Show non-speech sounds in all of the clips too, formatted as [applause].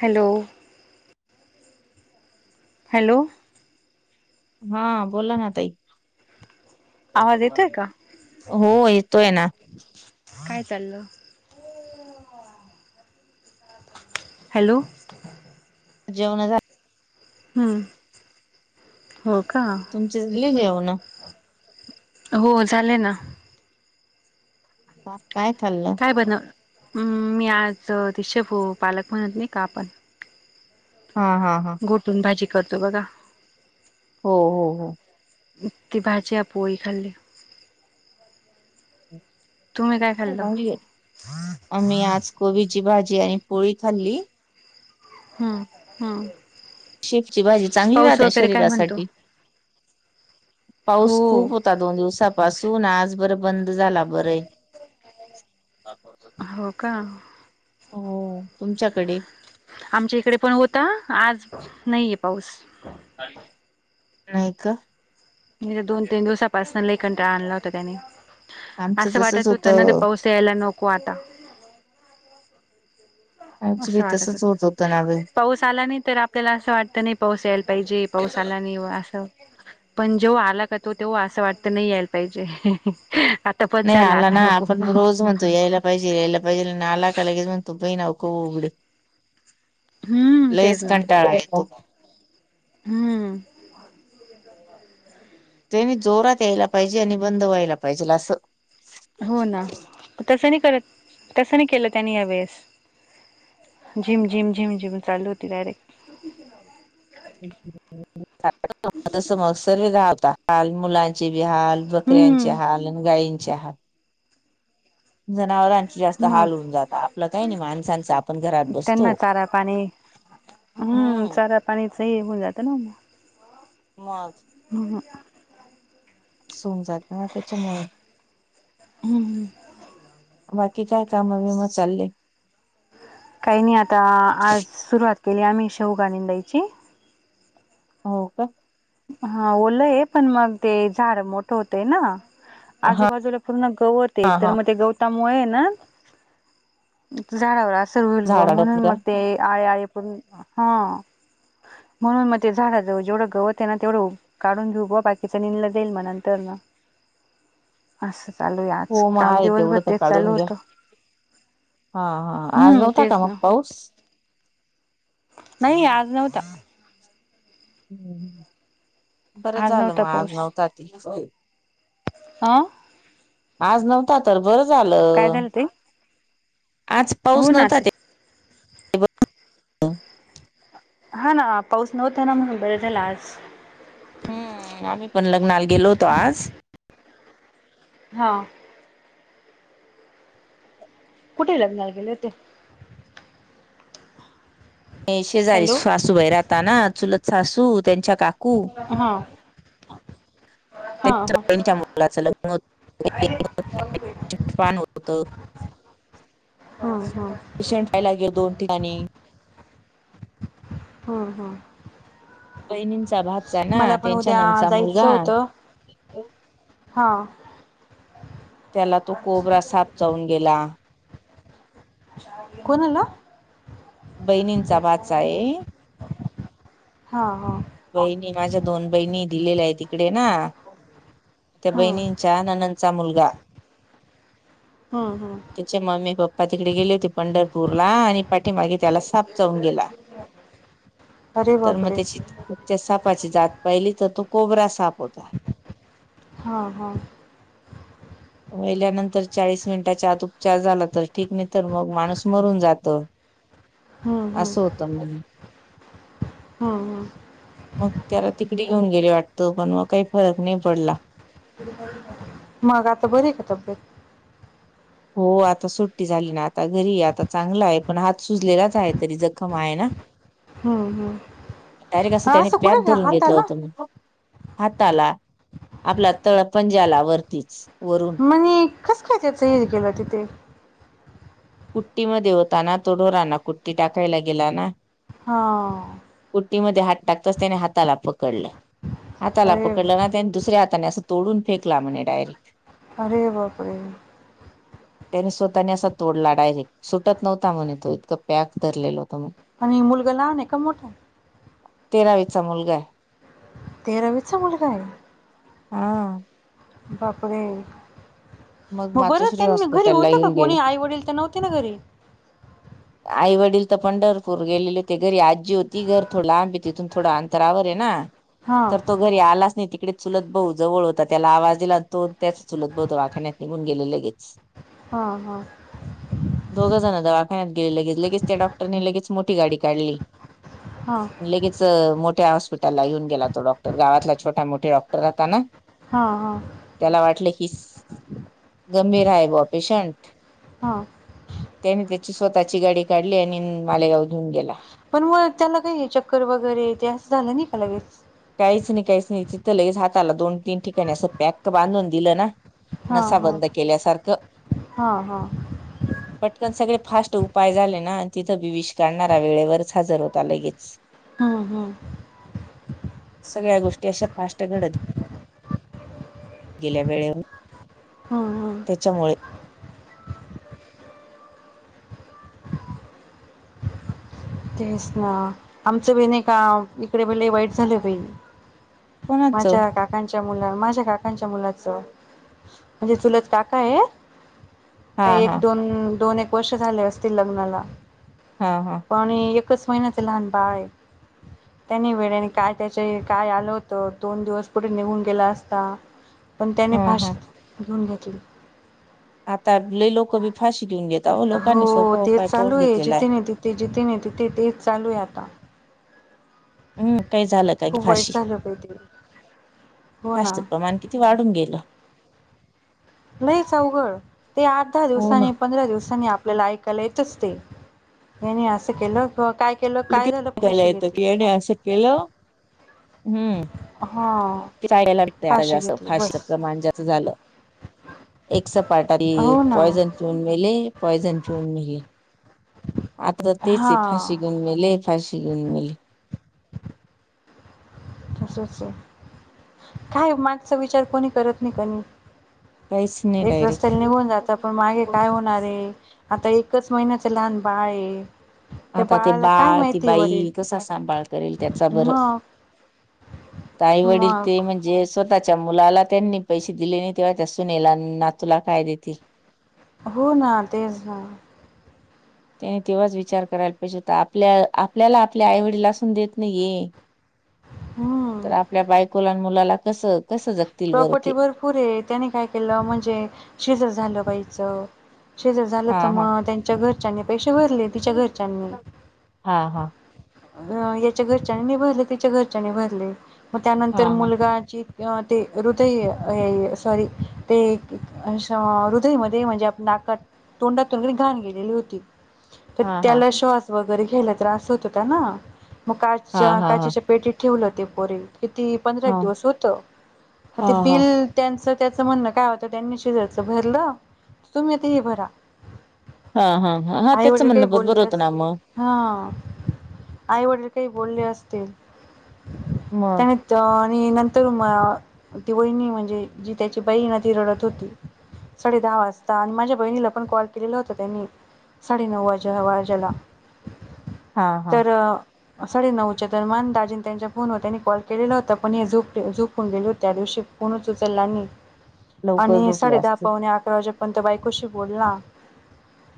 Hello hello हां बोला ना ताई. आवाज येतोय का? हो येतोय ना. काय चालल? हॅलो जेवणं झा हं, हो का. शिजली जेवणं हो झालय ना. आज काय खाल्लं? काय बन, मी आज ती शेपू पालक म्हणत नाही का आपण हा हा हा घोटून भाजी करतो बघा हो हो हो ती भाजी या पोळी खाल्ली. तुम्ही काय खाल्ल? चांगली आहे. आम्ही आज कोबीची भाजी आणि पोळी खाल्ली. हं हं शेपूची भाजी चांगली राहते काय म्हणतो? शरीरासाठी. हो पाऊस खूप होता दोन दिवसापासून आज बर बंद झालाय, बरंय हो का. हो तुमच्याकडे? आमच्या इकडे पण होता, आज नाहीये पाऊस नाही का. म्हणजे दोन तीन दिवसापासून लई कंटाळ आणला होता त्याने, आमचं असं तसच वाटत होतं ना ते पाऊस आपल्याला नको आता. आमच बी असं वाटत तसच होत होतं ना बाई पाऊस आला नाही तर आपल्याला असं वाटतं नाही पाऊस यायला पाहिजे पाऊस आला नाही व असं पण जो आला का तो तेव्हा असं वाटत नाही यायला पाहिजे, [inaudible] नाही आला आता ना, नको आपण रोज म्हणतो यायला पाहिजे यायला पाहिजेल न आला का लगेच म्हणतो बई नको पडू. हम्म तेच लईच कंटाळा येतो. हं त्यांनी जोरात यायला पाहिजे आणि बंद व्हायला पाहिजेल अस. हो ना, तसं नाही करत तसं नाही केलं त्यांनी या वेळेस झिम झिम झिम झिम चालू होती डायरेक्ट. [unintelligible] चे बी हाल, बकऱ्यांचे हम्म हाल आणि गायींचे हाल. जनावरांची जास्त मग हाल होऊन जाता, आपलं काही नाही माणसांच आपण घरात बसतो. त्यांना चारा पाणी हं, हम्म चारा पाणी च हे होऊन जात ना मग. मज हं हं. सोन जात ना त्याच्यामुळे हम्म. बाकी काय काम बीम चालले? काही नाही आता आज सुरुवात केली आम्ही शेवगा निवडायची हो का. हा ओलंय पण मग ते झाड मोठ होतय ना हा आजूबाजूला पूर्ण गवत ये हा तर हा मग ते गवतामुळे ना झाडावर असर होईल बुआ झाड अडप म्हणून का मग ते आळे आळे पडून, हा म्हणून मग ते झाडाजवळ जेवढं गवत त्यांना तेवढं काढून घेऊ बुआ बाकीचं निघलं देईन मग नंतर म असं चालू आहे आज हो मग काम आहे दिवसभर तेवढं तर तेच चालू काढून घ्या होतं. हा हा आज हम्म नव्हता का तेच मग ना पाऊस? नाही आज नव्हता. हम्म, बरं झालं नव्हता मग आज पाऊस नव्हता ते. आ. आज नव्हता तर बरं काय झालं. ते आज हो पाऊस ना नव्हता ते. [inaudible] हा ना पाऊस नव्हता ना, म्हणून बरं झालं आज हम्म, आम्ही पण लग्नाला गेलो होतो आज हा. कुठे लग्नाला गेले होते? हे शेजारी हॅलो सासूबाई राहता ना चुलत सासू त्यांच्या का कू हा हा हा त्यांच्या बहिणीच्या मु मुलाचं लग्न होत [unintelligible] हा हा. [unintelligible] दोन ठिकाणी. हा हा. बहिणींचा भात मला पण उद्या जायचं होतं, हा. त्याला तो कोबरा साप चावून गेला. कोणला? बहिणींचा भाचा आहे. हा हा. बहिणी माझ्या दोन बहिणी दिलेल्या आहे ते तिकडे ना, त्या हम्म बहिणींचा नंनंदचा मुलगा. हा हा. त्यांचे मम्मी पप्पा तिकडे गेले होती पंढरपूर ला आणि पाठीमागे त्याला साप चावून गेला.. अरे तर मग बापरे त्याची त त्या सापाची जात पाहिली तर तो कोबरा साप होता. हा हा. व्हाहिल्यानंतर चाळीस मिनिटाच्या आत उपचार झाला तर ठीक नाही तर मग माणूस मरून जातो. [inaudible] हम्म असं होतं म्हणे हम्म हम्म मग त्याला तिकडे घेऊन गेले वाटत पण मग काही फरक नाही पडला. मग आता बरी का तब्येत? हो आता सुट्टी झाली ना आता घरी आहे, आता चांगला आहे पण हात सुजलेलाच आहे, तरी जखम आहे ना. हम्म हम्म तरी कसं असं जाम कुठे धरून हाताला होतं मी. हाताला आपला तळ पंजाला वरतीच वरून आणि कसं काय त्याचं हे गेलं तिथे? कुट्टी मध्ये होता ना, तो ढोराना कुट्टी टाकायला गेला ना. हा. कुट्टी मध्ये हात टाकताच त्याने हाताला पकडलं, हाताला अरे पकडलं ना त्यानी दुसऱ्या हाताने असं तोडून फेकला म्हणे डायरेक. अरे बापरे, त्याने स्वतःने असं तोडला डायरेक्ट सुटत नव्हता म्हणे तो, इतकं पॅक धरलेला होता म्हणे. आणि मुलगा लहान आहे का मोठा ये? तेरावीचा मुलगा ये. तेरावीचा मुलगा ये हा. बापरे,, मग बरं मातोश्री त्यांन घरी हॉस्पिटलला होतं का येऊन गेले कोणी? आई -वडील तर नव्हते ना घरी. आई-वडील तर पंढरपूर गेलेले, ते घरी आज्जी होती घर थोडं लांब तिथून थोडं अंतरावर ये ना. हा तो पो घरी आलाच नाही तिकडेच चुलत भाऊ जवळ होता, त्याला आवाज दिला, तो त्याच चुलत भाऊ दवाखान्यात निघून गेले लगेच. [inaudible] हा-हा. दोघं जण दवा ण्यात गेले लगेच, लगेच त्या डॉक्टरनी लगेच मोठी गाडी काढली. हां. लगेच अं मोठ्या हॉस्पिटलला येऊन गेला तो डॉक्टर, गावातला छोटा, मोठे डॉक्टर राहता ना. हा-हां, त्याला वाटलं की चुलत, गंभीर आहे बा पेशंट. हा. त्याने त्याची स्वतःची गाडी काढली, आणि मालेगावला घेऊन गेला. पण मग त्याला काही चक्कर वगैरे ते असं झालं नाही का लगेच काहीच नाहीधम, काहीच नाही तिथं लगेच हाताला दोन तीन ठिकाणी असं पॅक बांधून दिलं ना हा नसा हा बंद केल्यासारखं हा हा पटकन सगळे फास्ट उपाय झाले ना तिथं बी विष काढणारा वेळेवरच हजर होता लगेच. हा- हा. सगळ्या गोष्टी अशा फास् हीट घडत गेल्या वेळेनं हा- हा. त्याच्यामुळे तेच ना आमचं बी नाही का, इकडे बि लैई वाईट झालं बाई. कोणाच माझे व काक त्याचा मुलान, माझ्या काकांच्या मुलाचं म्हणजे चुलत काका ये हा त हा एक दोन -दोन एक वर्ष झाले असतील लग्नाला. हा-हा. आणि एकच महिन्याच लहान बाळ आहे. त्यानी वेड्याने काय त्याच्या काय आल होत, दोन दिवस पुढे निघून गेला असता. पण त्याने हा हा फाशी घेऊन घेतली. आता लई लोक बी फाशी घेऊन घेतात वो. लोकांनी सोपा उपाय पाहून घेतलेला आहे. जे जिथे नाही तिथे तेच चालू आहेे आता. हम्म, काही झाल का खूप वाईट फाशी. झालं बाई ते हो फाशी ना प्रमाण की ती वाढून गेल. ल‌ईच अवघड, ते आठ दहा हो ना दिवसानी पंधरा दिवसानी आप आपल्याला ऐकायला येतच ते. याने अस केल. काय केल काय झाल. ला येत की याने अस केल. हम्म हा ते फाशी [unintelligible] घेतली फाशीच बस प्रमाण जास्त झाल. एक सपाटा ते, हो ना. पॉयझन पिऊन मेले. पॉयझन पिऊन मेले. आता तर तेच आहे हा फाशी घेऊन मेले. फाशी घेऊन मेले. असच आहे. काय मागचा विचार कोणी करत नाही कनी. काहीच नाही एक रस्त्याला डायरेक्ट निघून जाता पण मागे काय होणार आहे. आता एकच महिन्याच लहान बाळ आहे. त्या आता ते बाळाला काय बाळ, ती माहिती वडील बाई कसा सांभाळ करेल त्याचा बर. मग आई वडील ते मग म्हणजेच स्वतःच्या मुलाला त्यांनी पैसे दिले नाही. तेव्हा त्या सुनेला नातूला काय देतील. हो ना तेच ना. त्याने तेव्हाच विचार करायला पाहिजे होता. आपल्या आपल्याला आपल्या आई वडील असून देत नाहीय. हम्म तर आपल्या बायकोला मुलाला कस प्रॉपर्टी भरपूर आहे. त्याने काय केल म्हणजे शिजर झाल बाईच. शिजर झाल हा तर हा मग त्यांच्या घरच्यांनी पैसे भरले. तिच्या घरच्यांनी. हा हा अ याच्या घरच्याने नि भरले. तीच्या घरच्यानी भरले. मग हा त्यानंतर हा मुलगा ज ते हृदय हे सॉरी, ते हृदयमध्ये म्हणजे नाकात तोंडातुन कणी घाण गेलेली होती. तर, हा हा त्याला श्वास वगैरे घ्यायला त्रास होत होता ना मग हा हा काच्य हा हा काचेच्या पेटीत ठेवल ते पोरे. किती पंधरा एक दिवस होत. म हा ते हा बिल त्यांच त्याच म्हणण काय होत त्यांनी शिजरच भरल. तुम्ही आता हे भरा. हा हा हा, हा आई त्याच वडील काही म्हणण बरबर बोलले होत अस ना मग. हा आईवडील काही बोलले असतील. मग त्याने आणि नंतर म ती वहिणी म्हणजे, जी त्याची बाई आहे ना ती रडत होती. साडे दहा वाजता आणि माझ्या बहिणीला पण कॉल केलेला होता त्यानी. साडेनऊ वाज वाज्याला. हा हा तर साडे नऊच्या दरम्यान दाजीन त्यांच्या फोनवर त्यांनी कॉल केलेला होता. पण हे झोपले झोप झोपून गेले होते त्या दिवशी. फोनच उचलला नाही. लवकर आणि झोपले साडे दहा असतील पावणे अकरा वाजे पर्यंत तो बायकोशी बोलला.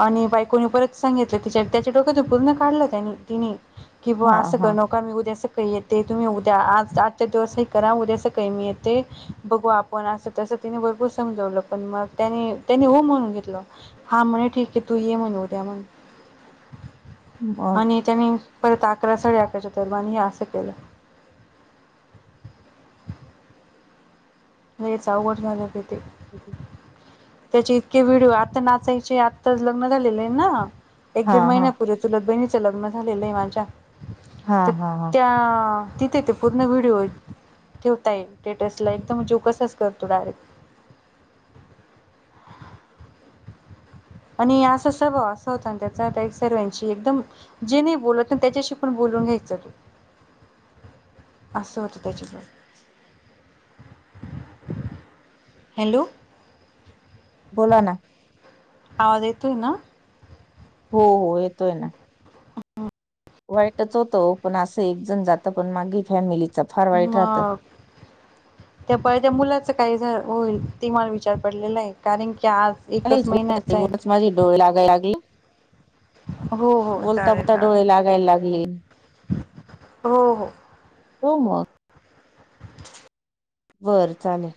आणि बायकोनी परत सांगितल तिच्या त्याच्या डोक्यातून पूर्ण काढल त्याने तिनी. कि बवा हा अस करू हा नका. मी उद्या सकाळी येते. तुम्ही उद्या आज आजच्या दिवस हे करा. उद्या सकाळी मी येते. बघू आपण असं तसं त्यानी भरपूर समजवलं पण मग त्यानी त्यांनी हो म्हणून घेतलं. हां म्हणे ठीक आहे तू ये म्हणे उद्या म्हणे. मग आणि त्यानी परत अकरा साडे अकराच्या दरम्यान हे असं केलं. लईच अवघड झालंय बाई ते. [inaudible] त्याचे इतके व्हिडिओ आता नाचायचे आताच लग्न झालेले आहे ना एक हा दीड हा महिना पूर्वी चुलत बहिणीचं लग्न झालेलं आहे माझ्या हा तर हा हा त्या तिथे ते पूर्ण व्हिडिओ ठेवता येईल स्टेटसला एकदम जोकसाच करतो डायरेक्ट. आणि असं सर्व असं होतं आणि त्याच त्या एक सर्वांची एकदम जे नाही बोलत ना त्याच्याशी पण बोलून घ्यायचं तू. असं होतं त्याच्याजवळ हॅलो! बोला ना. आवाज येतोय ना? हो हो येतोय ना. वाईटच होतं ओ पण असं एकजण जातं पण मागे फॅमिली मग त्या पहिले त्या मुलाचं काही झा होईल ते मला विचार पडलेलं आहे कारण की आज एकच महिन्याचा आहे [unintelligible] तो माझी डोळे लागायला लागली. हो हो बोलता चालेल बोलता चालेल डोळे लागायला लागले. हो हो. होमवर्क [inaudible] बरं चालेल.